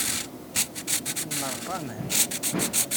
Inneṛfaɛ Mhenni.